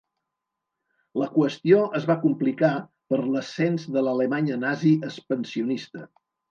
La qüestió es va complicar per l'ascens de l'Alemanya nazi expansionista.